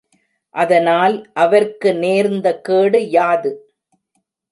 அதனால் அவர்க்கு நேர்ந்த கேடு யாது?